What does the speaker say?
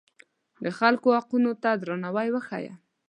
د خلکو حقونو ته درناوی وښیه.